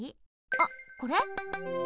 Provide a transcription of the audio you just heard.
あっこれ？